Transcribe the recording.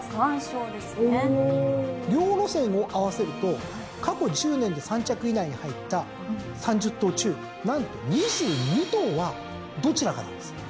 両路線を合わせると過去１０年で３着以内に入った３０頭中何と２２頭はどちらかなんですよ。